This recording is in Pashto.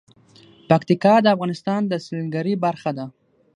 پکتیکا د افغانستان د سیلګرۍ برخه ده.